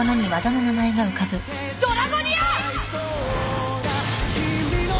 ドラゴニア！